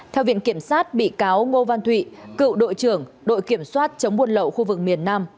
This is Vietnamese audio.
theo viện kiểm sát bị cáo ngô văn thụy cựu đội trưởng đội kiểm soát chống buôn lậu khu vực miền nam